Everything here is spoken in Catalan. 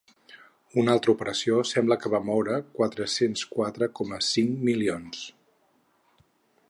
Una altra operació sembla que va moure quatre-cents quatre coma cinc milions.